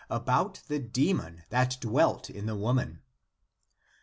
about the demon that dw^elt in the woman.